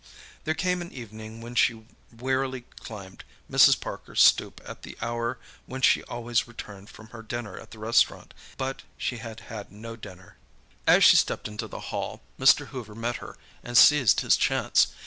There came an evening when she wearily climbed Mrs. Parker's stoop at the hour when she always returned from her dinner at the restaurant. But she had had no dinner. As she stepped into the hall Mr. Hoover met her and seized his chance.